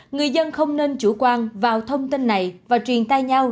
người dân không nên chủ quan vào thông tin này và truyền tay nhau